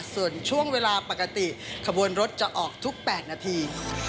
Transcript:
ส่วนช่วงเวลาปกติขบวนรถจะออกทุก๘นาที